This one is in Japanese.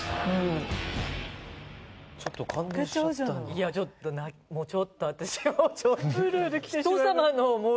いやちょっともうちょっと私。